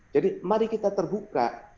jadi mari kita terbuka